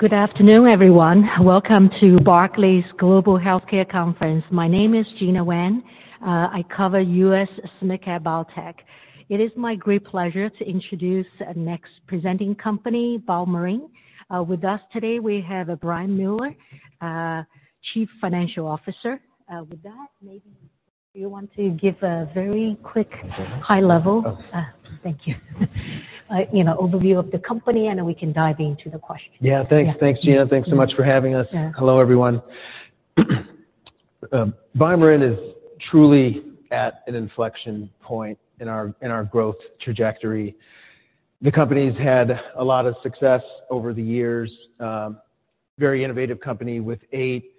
Good afternoon, everyone. Welcome to Barclays Global Healthcare Conference. My name is Gena Wang. I cover U.S. SMID-cap at Biotech. It is my great pleasure to introduce our next presenting company, BioMarin. With us today, we have Brian Mueller, Chief Financial Officer. With that, maybe you want to give a very quick high-level, thank you, you know, overview of the company, and then we can dive into the questions. Yeah, thanks. Thanks, Gena. Thanks so much for having us. Yeah. Hello, everyone. BioMarin is truly at an inflection point in our growth trajectory. The company's had a lot of success over the years, very innovative company with eight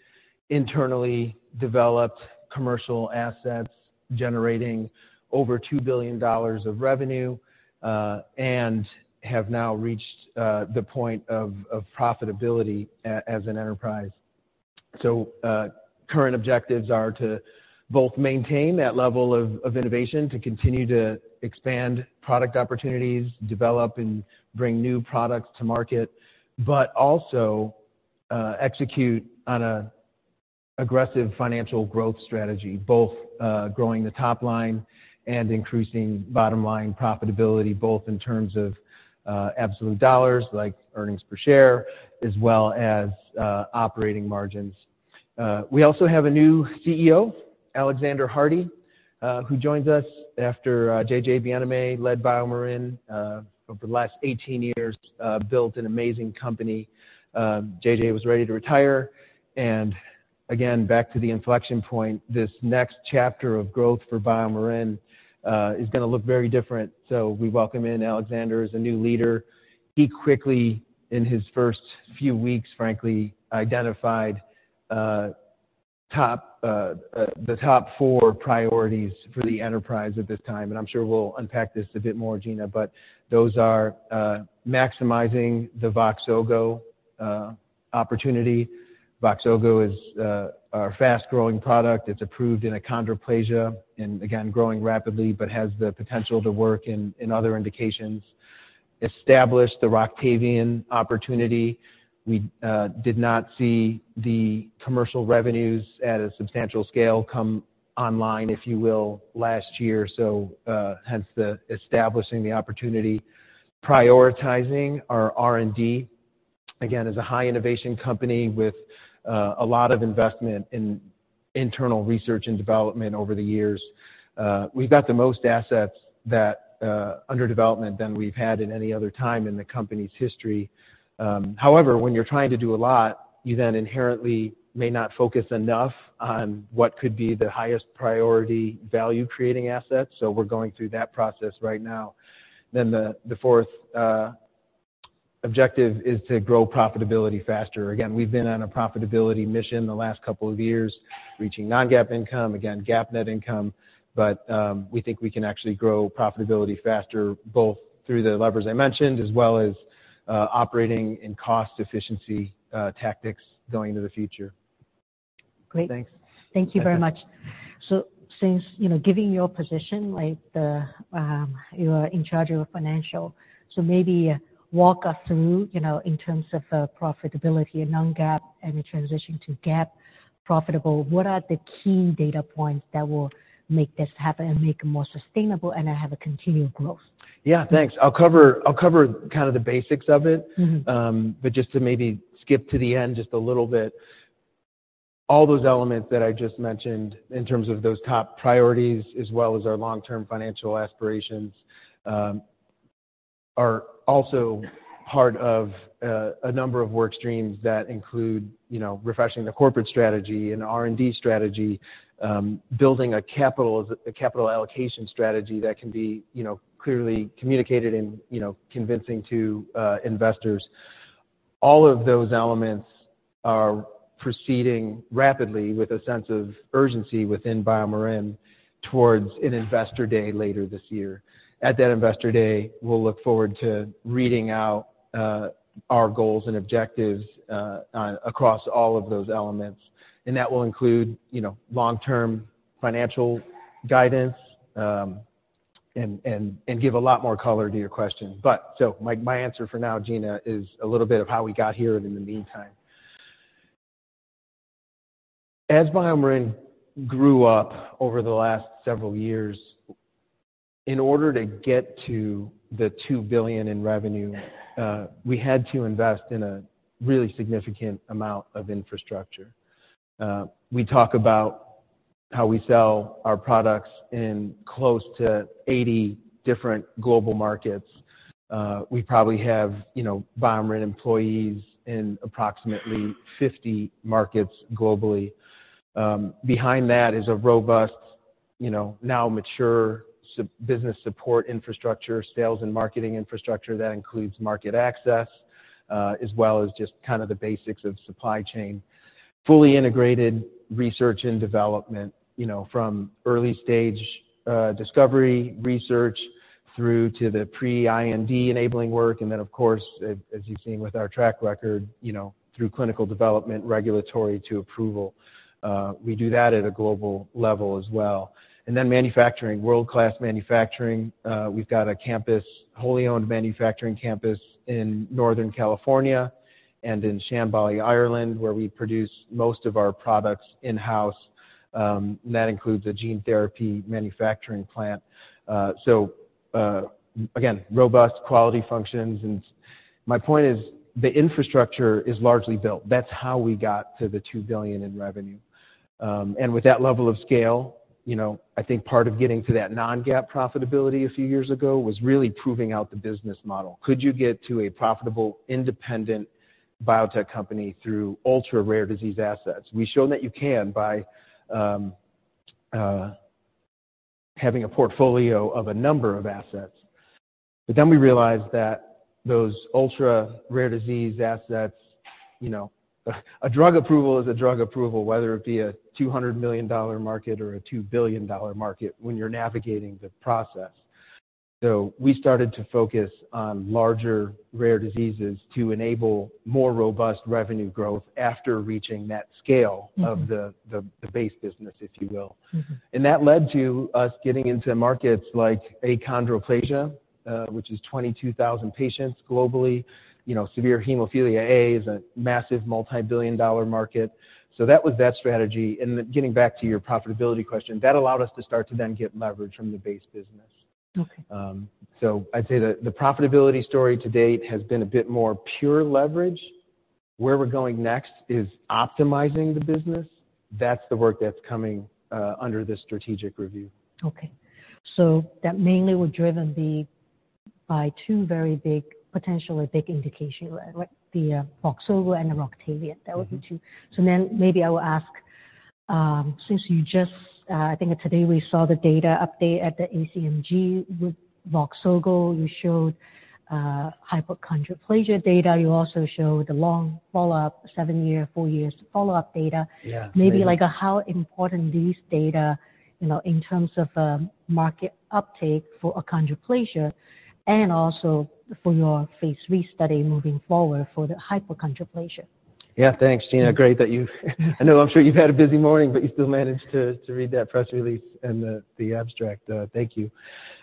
internally developed commercial assets generating over $2 billion of revenue, and have now reached the point of profitability as an enterprise. So, current objectives are to both maintain that level of innovation, to continue to expand product opportunities, develop and bring new products to market, but also execute on an aggressive financial growth strategy, both growing the top line and increasing bottom line profitability, both in terms of absolute dollars, like earnings per share, as well as operating margins. We also have a new CEO, Alexander Hardy, who joins us after J.J. Bienaimé led BioMarin over the last 18 years, built an amazing company. J.J. was ready to retire. Again, back to the inflection point, this next chapter of growth for BioMarin is gonna look very different. So we welcome in Alexander. He's a new leader. He quickly, in his first few weeks, frankly, identified the top four priorities for the enterprise at this time. And I'm sure we'll unpack this a bit more, Gena, but those are maximizing the Voxzogo opportunity. Voxzogo is our fast-growing product. It's approved in achondroplasia and again growing rapidly but has the potential to work in other indications. Established the Roctavian opportunity. We did not see the commercial revenues at a substantial scale come online, if you will, last year. So hence the establishing the opportunity. Prioritizing our R&D. Again, it's a high-innovation company with a lot of investment in internal research and development over the years. We've got the most assets that, under development than we've had at any other time in the company's history. However, when you're trying to do a lot, you then inherently may not focus enough on what could be the highest priority value-creating assets. So we're going through that process right now. Then the, the fourth, objective is to grow profitability faster. Again, we've been on a profitability mission the last couple of years, reaching non-GAAP income, again, GAAP net income. But, we think we can actually grow profitability faster, both through the levers I mentioned as well as, operating in cost-efficiency, tactics going into the future. Great. Thanks. Thank you very much. So since, you know, given your position, right, you are in charge of financial, so maybe walk us through, you know, in terms of, profitability and non-GAAP and the transition to GAAP profitable, what are the key data points that will make this happen and make it more sustainable and have a continual growth? Yeah, thanks. I'll cover kind of the basics of it. But just to maybe skip to the end just a little bit, all those elements that I just mentioned in terms of those top priorities as well as our long-term financial aspirations are also part of a number of work streams that include, you know, refreshing the corporate strategy and R&D strategy, building a capital as a capital allocation strategy that can be, you know, clearly communicated and, you know, convincing to investors. All of those elements are proceeding rapidly with a sense of urgency within BioMarin towards an investor day later this year. At that investor day, we'll look forward to reading out our goals and objectives on across all of those elements. That will include, you know, long-term financial guidance, and, and, and give a lot more color to your question. But so my, my answer for now, Gena, is a little bit of how we got here and in the meantime. As BioMarin grew up over the last several years, in order to get to the $2 billion in revenue, we had to invest in a really significant amount of infrastructure. We talk about how we sell our products in close to 80 different global markets. We probably have, you know, BioMarin employees in approximately 50 markets globally. Behind that is a robust, you know, now mature sales business support infrastructure, sales and marketing infrastructure that includes market access, as well as just kind of the basics of supply chain, fully integrated research and development, you know, from early-stage, discovery research through to the pre-R&D enabling work. And then, of course, as you've seen with our track record, you know, through clinical development, regulatory to approval, we do that at a global level as well. And then manufacturing, world-class manufacturing. We've got a campus, wholly-owned manufacturing campus in Northern California and in Shanbally, Ireland, where we produce most of our products in-house. And that includes a gene therapy manufacturing plant. So, again, robust quality functions. And my point is the infrastructure is largely built. That's how we got to the $2 billion in revenue. And with that level of scale, you know, I think part of getting to that non-GAAP profitability a few years ago was really proving out the business model. Could you get to a profitable, independent biotech company through ultra-rare disease assets? We've shown that you can by having a portfolio of a number of assets. But then we realized that those ultra-rare disease assets, you know, a drug approval is a drug approval, whether it be a $200 million market or a 2 billion market when you're navigating the process. So we started to focus on larger rare diseases to enable more robust revenue growth after reaching that scale of the base business, if you will. That led to us getting into markets like achondroplasia, which is 22,000 patients globally. You know, severe Hemophilia A is a massive multi-billion-dollar market. So that was that strategy. And then getting back to your profitability question, that allowed us to start to then get leverage from the base business. Okay. So I'd say the profitability story to date has been a bit more pure leverage. Where we're going next is optimizing the business. That's the work that's coming, under this strategic review. Okay. So that mainly would be driven by two very big, potentially big indications, right, the Voxzogo and the Roctavian. That would be two. So then maybe I will ask, since you just, I think today we saw the data update at the ACMG with Voxzogo. You showed hypochondroplasia data. You also showed the long follow-up, seven-year, four-year follow-up data. Yeah. Maybe like, how important these data, you know, in terms of market uptake for achondroplasia and also for your phase III study moving forward for the hypochondroplasia? Yeah, thanks, Gena. I know I'm sure you've had a busy morning, but you still managed to read that press release and the abstract. Thank you.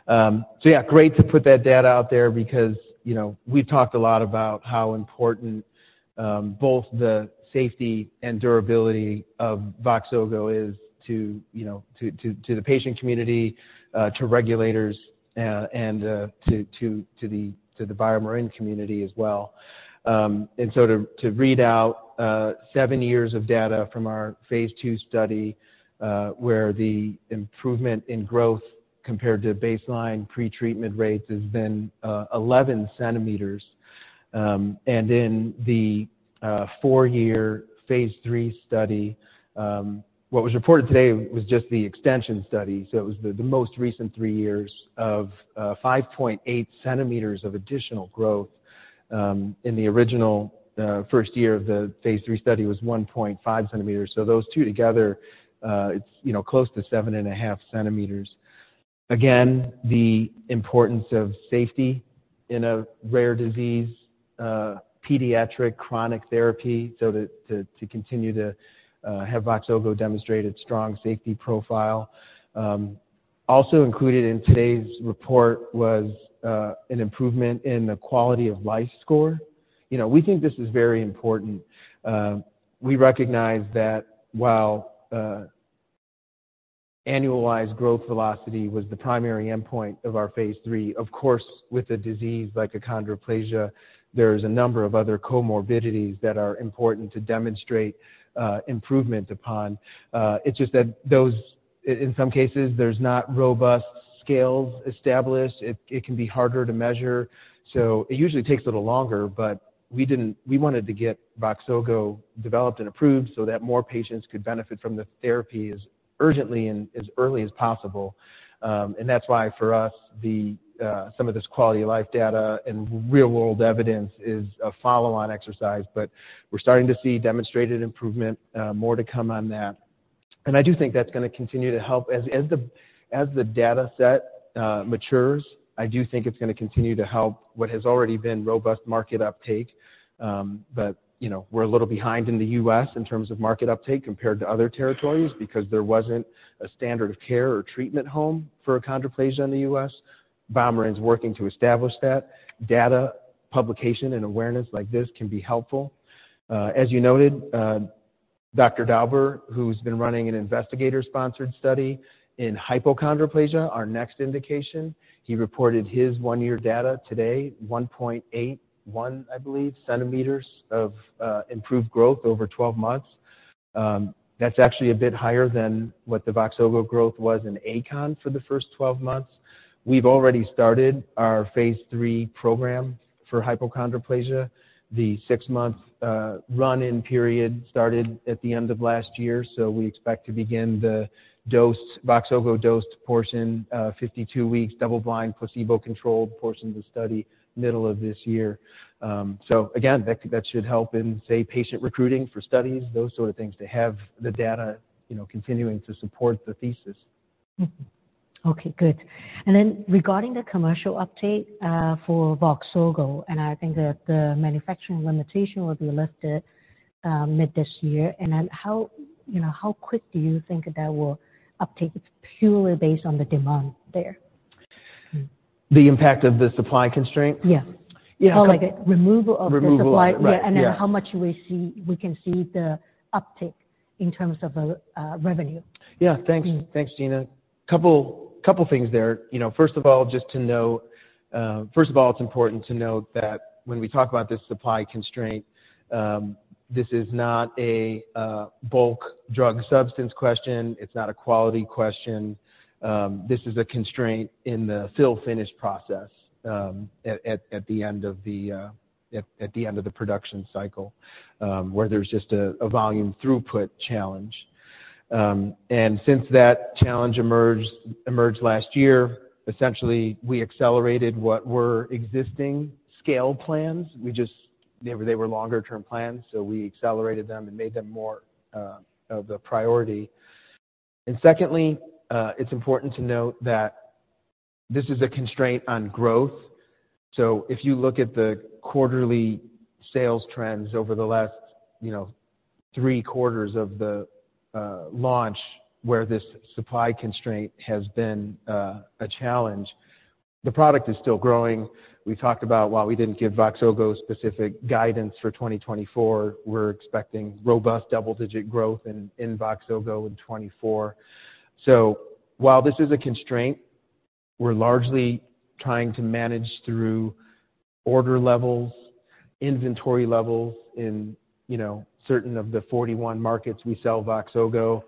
So yeah, great to put that data out there because, you know, we've talked a lot about how important both the safety and durability of Voxzogo is to, you know, the patient community, to regulators, and to the BioMarin community as well. And so to read out seven years of data from our phase II study, where the improvement in growth compared to baseline pretreatment rates has been 11 cm. And in the four-year phase III study, what was reported today was just the extension study. So it was the most recent three years of 5.8 cm of additional growth. In the original first year of the phase III study was 1.5 cm. So those two together, it's, you know, close to 7.5 cm. Again, the importance of safety in a rare disease pediatric chronic therapy, so to continue to have Voxzogo demonstrate its strong safety profile. Also included in today's report was an improvement in the quality of life score. You know, we think this is very important. We recognize that while annualized growth velocity was the primary endpoint of our phase III, of course, with a disease like achondroplasia, there's a number of other comorbidities that are important to demonstrate improvement upon. It's just that those in some cases, there's not robust scales established. It can be harder to measure. So it usually takes a little longer. But we didn't. We wanted to get Voxzogo developed and approved so that more patients could benefit from the therapy as urgently and as early as possible. And that's why for us, some of this quality of life data and real-world evidence is a follow-on exercise. But we're starting to see demonstrated improvement, more to come on that. And I do think that's gonna continue to help as the dataset matures. I do think it's gonna continue to help what has already been robust market uptake. But, you know, we're a little behind in the US in terms of market uptake compared to other territories because there wasn't a standard of care or treatment home for achondroplasia in the US. BioMarin's working to establish that. Data publication and awareness like this can be helpful. As you noted, Dr. Dauber, who's been running an investigator-sponsored study in hypochondroplasia, our next indication, he reported his one-year data today, 1.81, I believe, centimeters of improved growth over 12 months. That's actually a bit higher than what the Voxzogo growth was in achondroplasia for the first 12 months. We've already started our phase III program for hypochondroplasia. The six-month run-in period started at the end of last year. So we expect to begin the dosed Voxzogo dosed portion, 52 weeks, double-blind, placebo-controlled portion of the study, middle of this year. So again, that should help in, say, patient recruiting for studies, those sort of things, to have the data, you know, continuing to support the thesis. Okay, good. And then regarding the commercial update for Voxzogo, and I think that the manufacturing limitation will be lifted mid this year. And then how, you know, how quick do you think that will uptake? It's purely based on the demand there The impact of the supply constraint? Yes. Yeah, okay. Oh, like removal of the supply. Removal of the supply. Yeah. And then how much we can see the uptake in terms of the revenue. Yeah. Thanks, Gena. A couple things there. You know, first of all, it's important to know that when we talk about this supply constraint, this is not a bulk drug substance question. It's not a quality question. This is a constraint in the fill-finish process, at the end of the production cycle, where there's just a volume throughput challenge. And since that challenge emerged last year, essentially, we accelerated what were existing scale plans. We just – they were longer-term plans. So we accelerated them and made them more of a priority. And secondly, it's important to note that this is a constraint on growth. So if you look at the quarterly sales trends over the last, you know, three quarters of the launch where this supply constraint has been a challenge, the product is still growing. We talked about while we didn't give Voxzogo specific guidance for 2024, we're expecting robust double-digit growth in Voxzogo in 2024. So while this is a constraint, we're largely trying to manage through order levels, inventory levels in, you know, certain of the 41 markets we sell Voxzogo.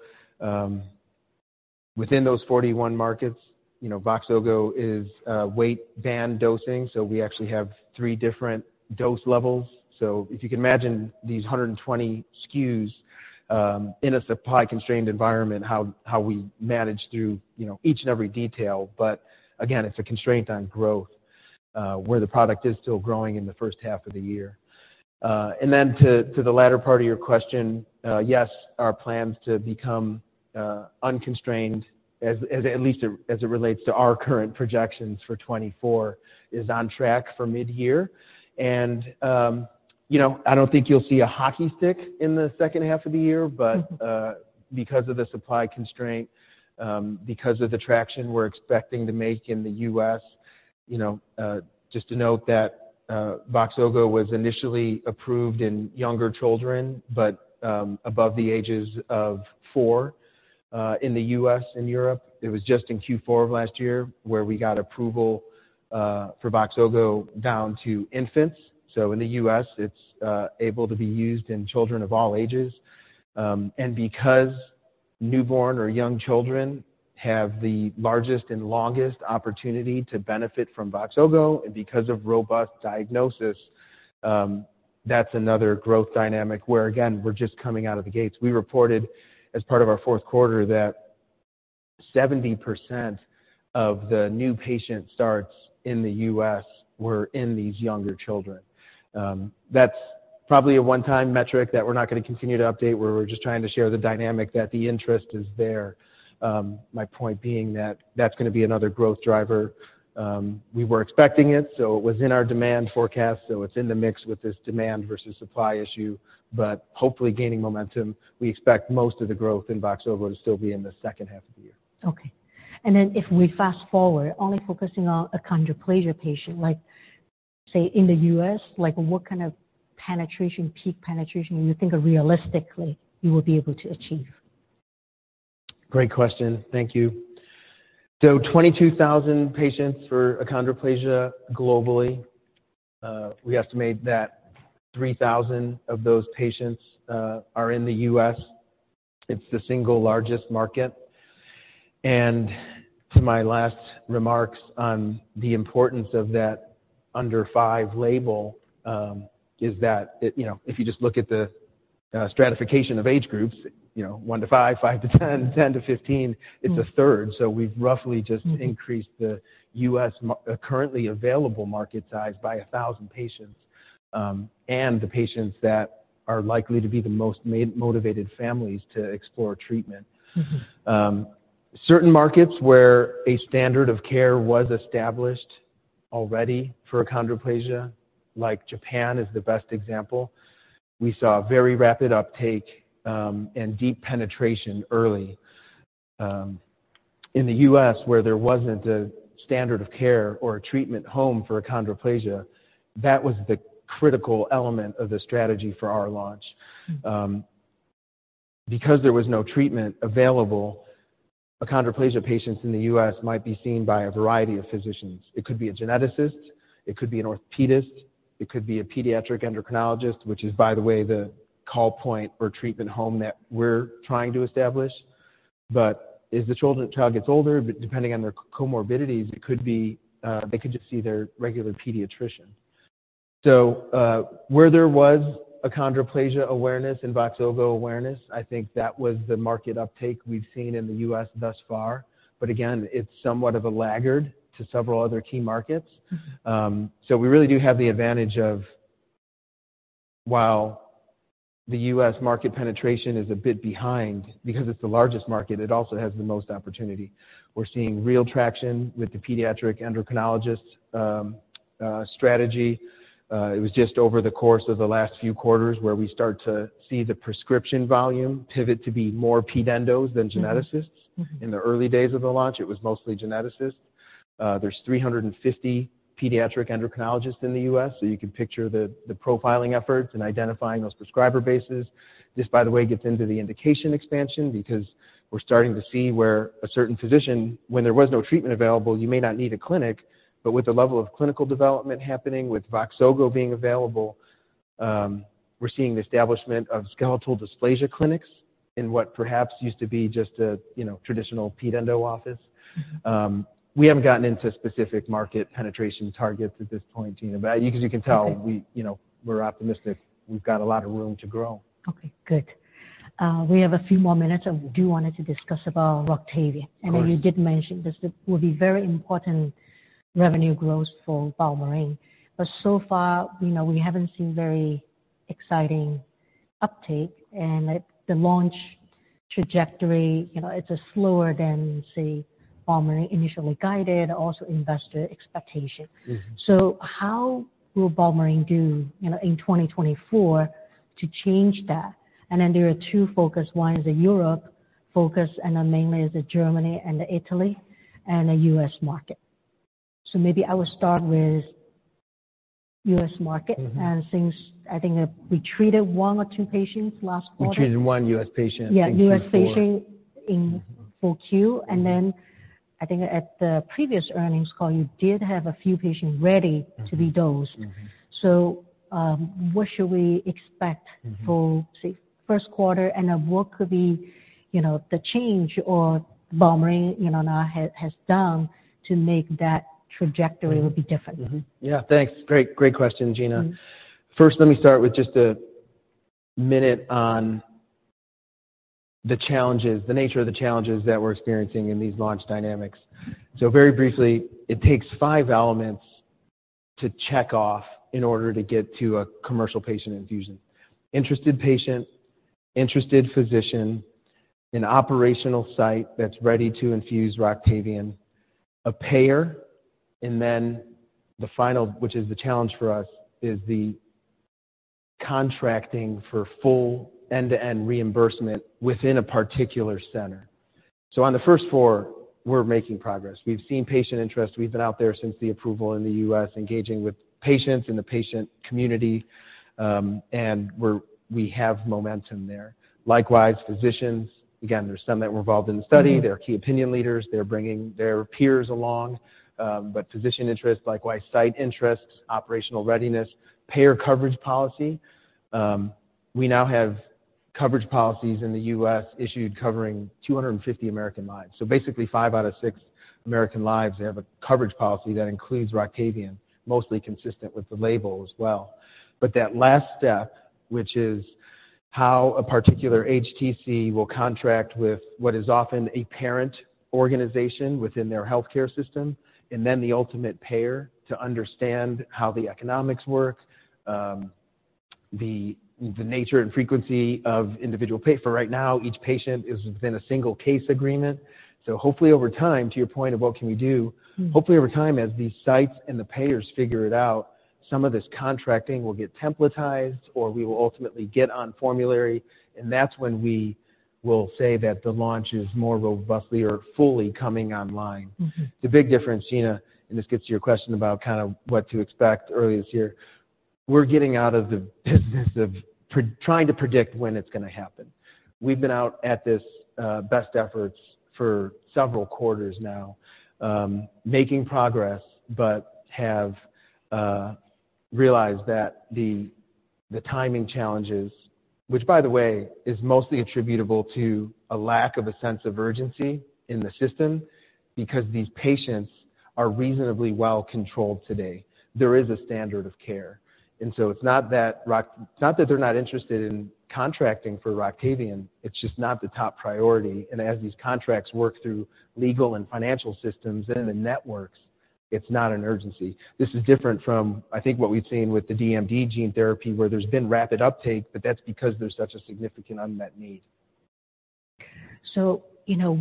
Within those 41 markets, you know, Voxzogo is weight-banded dosing. So we actually have three different dose levels. So if you can imagine these 120 SKUs in a supply-constrained environment, how we manage through, you know, each and every detail. But again, it's a constraint on growth, where the product is still growing in the first half of the year. and then to the latter part of your question, yes, our plans to become unconstrained, as at least as it relates to our current projections for 2024 is on track for mid-year. And, you know, I don't think you'll see a hockey stick in the second half of the year. But, because of the supply constraint, because of the traction we're expecting to make in the US, you know, just to note that, Voxzogo was initially approved in younger children, but, above the ages of four, in the US and Europe. It was just in Q4 of last year where we got approval, for Voxzogo down to infants. So in the US, it's able to be used in children of all ages. Because newborn or young children have the largest and longest opportunity to benefit from Voxzogo, and because of robust diagnosis, that's another growth dynamic where, again, we're just coming out of the gates. We reported as part of our fourth quarter that 70% of the new patient starts in the U.S. were in these younger children. That's probably a one-time metric that we're not gonna continue to update. We're just trying to share the dynamic that the interest is there. My point being that that's gonna be another growth driver. We were expecting it. So it was in our demand forecast. So it's in the mix with this demand versus supply issue. But hopefully, gaining momentum, we expect most of the growth in Voxzogo to still be in the second half of the year. Okay. Then if we fast forward, only focusing on achondroplasia patient, like, say, in the U.S., like, what kind of penetration, peak penetration, do you think realistically you will be able to achieve? Great question. Thank you. So 22,000 patients for achondroplasia globally. We estimate that 3,000 of those patients are in the U.S. It's the single largest market. And to my last remarks on the importance of that under-five label is that it you know, if you just look at the stratification of age groups, you know, one to five, five to 10, to 15, it's a third. So we've roughly just increased the U.S. market currently available market size by 1,000 patients, and the patients that are likely to be the most motivated families to explore treatment. Certain markets where a standard of care was established already for achondroplasia, like Japan is the best example, we saw very rapid uptake, and deep penetration early. In the U.S., where there wasn't a standard of care or a treatment home for achondroplasia, that was the critical element of the strategy for our launch. Because there was no treatment available, achondroplasia patients in the U.S. might be seen by a variety of physicians. It could be a geneticist. It could be an orthopedist. It could be a pediatric endocrinologist, which is, by the way, the call point or treatment home that we're trying to establish. But as the child gets older, depending on their comorbidities, it could be, they could just see their regular pediatrician. So, where there was achondroplasia awareness and Voxzogo awareness, I think that was the market uptake we've seen in the U.S. thus far. But again, it's somewhat of a laggard to several other key markets, so we really do have the advantage of while the US market penetration is a bit behind because it's the largest market, it also has the most opportunity. We're seeing real traction with the pediatric endocrinologist strategy. It was just over the course of the last few quarters where we start to see the prescription volume pivot to be more peds than geneticists. In the early days of the launch, it was mostly geneticists. There's 350 pediatric endocrinologists in the U.S. So you can picture the profiling efforts and identifying those prescriber bases. This, by the way, gets into the indication expansion because we're starting to see where a certain physician when there was no treatment available, you may not need a clinic. But with the level of clinical development happening, with Voxzogo being available, we're seeing the establishment of skeletal dysplasia clinics in what perhaps used to be just a, you know, traditional ped-endo office. We haven't gotten into specific market penetration targets at this point, Gena, but 'cause you can tell we, you know, we're optimistic. We've got a lot of room to grow. Okay, good. We have a few more minutes. I do want to discuss about Roctavian. Right. And then you did mention this would be very important revenue growth for BioMarin. But so far, you know, we haven't seen very exciting uptake. And the launch trajectory, you know, it's slower than, say, BioMarin initially guided, also investor expectation. So how will BioMarin do, you know, in 2024 to change that? And then there are two focus. One is a Europe focus, and then mainly is it Germany and Italy and the U.S. market. So maybe I will start with U.S. market. Since I think we treated one or two patients last quarter. You treated one U.S. patient in Q4. Yeah, U.S. patient in Q4. And then I think at the previous earnings call, you did have a few patients ready to be dosed. So, what should we expect for, say, first quarter? And then what could be, you know, the change or BioMarin, you know, now has done to make that trajectory would be different? Yeah, thanks. Great, great question, Gena. First, let me start with just a minute on the challenges, the nature of the challenges that we're experiencing in these launch dynamics. So very briefly, it takes five elements to check off in order to get to a commercial patient infusion: interested patient, interested physician, an operational site that's ready to infuse Roctavian, a payer, and then the final, which is the challenge for us, is the contracting for full end-to-end reimbursement within a particular center. So on the first four, we're making progress. We've seen patient interest. We've been out there since the approval in the U.S., engaging with patients and the patient community, and we have momentum there. Likewise, physicians, again, there's some that were involved in the study. They're key opinion leaders. They're bringing their peers along, but physician interest, likewise, site interest, operational readiness, payer coverage policy. We now have coverage policies in the U.S. issued covering 250 American lives. So basically, five out of six American lives, they have a coverage policy that includes Roctavian, mostly consistent with the label as well. But that last step, which is how a particular HTC will contract with what is often a parent organization within their healthcare system, and then the ultimate payer to understand how the economics work, the nature and frequency of individual payer for right now, each patient is within a single case agreement. So hopefully, over time, to your point of what can we do, hopefully, over time, as these sites and the payers figure it out, some of this contracting will get templatized, or we will ultimately get on formulary. And that's when we will say that the launch is more robustly or fully coming online. The big difference, Gena, and this gets to your question about kind of what to expect early this year. We're getting out of the business of trying to predict when it's gonna happen. We've been at this, best efforts for several quarters now, making progress, but have realized that the timing challenges, which, by the way, is mostly attributable to a lack of a sense of urgency in the system because these patients are reasonably well controlled today. There is a standard of care. And so it's not that Roc it's not that they're not interested in contracting for Roctavian. It's just not the top priority. And as these contracts work through legal and financial systems and the networks, it's not an urgency. This is different from, I think, what we've seen with the DMD gene therapy, where there's been rapid uptake, but that's because there's such a significant unmet need. So, you know,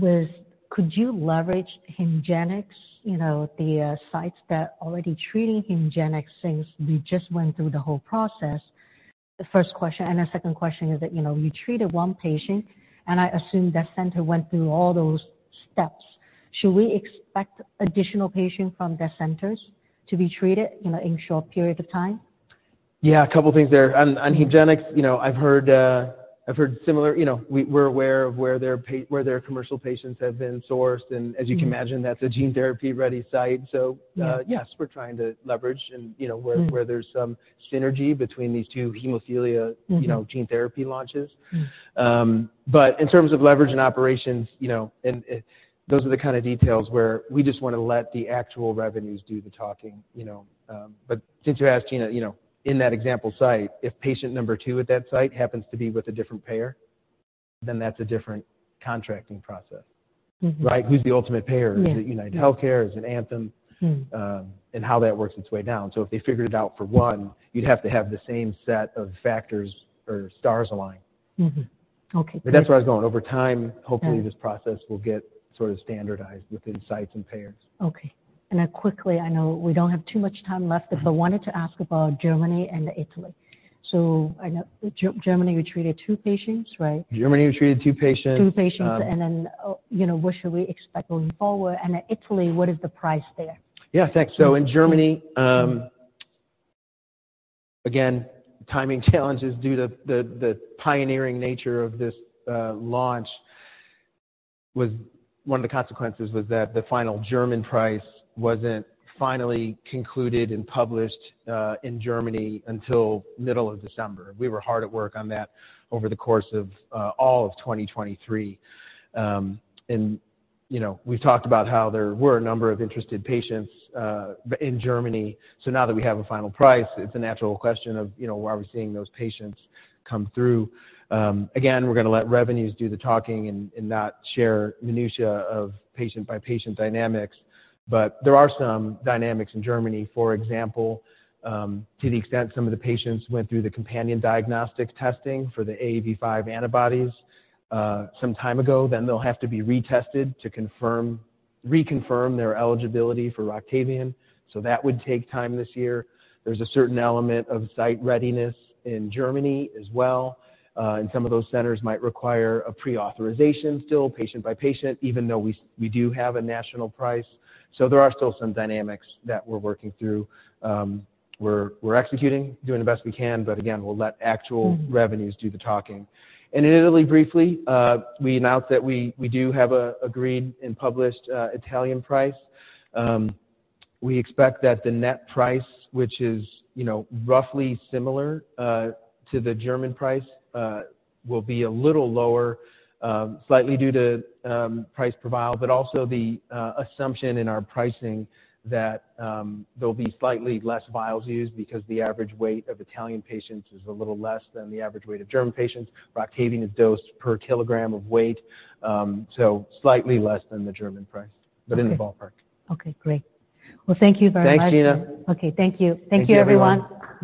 could you leverage hemophilia, you know, the sites that are already treating hemophilia since we just went through the whole process? The first question and the second question is that, you know, you treated one patient. And I assume that center went through all those steps. Should we expect additional patients from their centers to be treated, you know, in a short period of time? Yeah, a couple of things there. On Hemgenix, you know, I've heard similar, you know, we're aware of where their commercial patients have been sourced. And as you can imagine, that's a gene therapy-ready site. So, yes, we're trying to leverage where there's some synergy between these two hemophilia, you know, gene therapy launches. But in terms of leverage and operations, you know, those are the kind of details where we just wanna let the actual revenues do the talking, you know. But since you asked, Gena, you know, in that example site, if patient number two at that site happens to be with a different payer, then that's a different contracting process, right? Who's the ultimate payer? Is it UnitedHealthcare? Is it Anthem? And how that works its way down. If they figured it out for one, you'd have to have the same set of factors or stars align. Okay, great. But that's where I was going. Over time, hopefully, this process will get sort of standardized within sites and payers. Okay. Then quickly, I know we don't have too much time left, but I wanted to ask about Germany and Italy. I know Germany, you treated 2 patients, right? Germany, we treated two patients. Two patients. Then, you know, what should we expect going forward? Italy, what is the price there? Yeah, thanks. So in Germany, again, timing challenges due to the pioneering nature of this launch was one of the consequences was that the final German price wasn't finally concluded and published in Germany until middle of December. We were hard at work on that over the course of all of 2023. You know, we've talked about how there were a number of interested patients in Germany. So now that we have a final price, it's a natural question of, you know, why are we seeing those patients come through? Again, we're gonna let revenues do the talking and not share minutia of patient-by-patient dynamics. But there are some dynamics in Germany. For example, to the extent some of the patients went through the companion diagnostic testing for the AAV5 antibodies some time ago, then they'll have to be retested to confirm reconfirm their eligibility for Roctavian. So that would take time this year. There's a certain element of site readiness in Germany as well. And some of those centers might require a preauthorization still, patient-by-patient, even though we, we do have a national price. So there are still some dynamics that we're working through. We're, we're executing, doing the best we can. But again, we'll let actual revenues do the talking. And in Italy, briefly, we announced that we, we do have an agreed and published Italian price. We expect that the net price, which is, you know, roughly similar to the German price, will be a little lower, slightly due to price profile, but also the assumption in our pricing that there'll be slightly less vials used because the average weight of Italian patients is a little less than the average weight of German patients. Roctavian is dosed per kilogram of weight, so slightly less than the German price, but in the ballpark. Okay, great. Well, thank you very much. Thanks, Gena. Okay, thank you. Thank you, everyone.